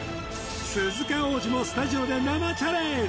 鈴鹿央士もスタジオで生チャレンジ